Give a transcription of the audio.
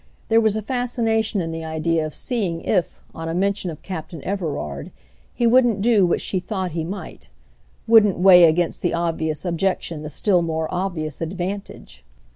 There was a fascination in the idea of seeing if, on a mention of Captain Everard, he wouldn't do what she thought he might; wouldn't weigh against the obvious objection the still more obvious advantage.